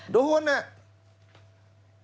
โดนเนี่ย